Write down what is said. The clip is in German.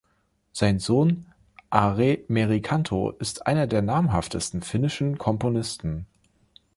Sein Sohn Aarre Merikanto ist einer der namhaftesten finnischen Komponisten.